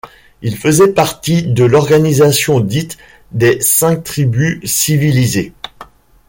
Il faisait partie de l’organisation dite des Cinq tribus civilisées.